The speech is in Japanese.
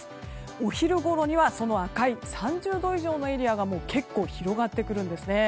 お昼ごろには、その赤い３０度以上のエリアが結構広がってくるんですね。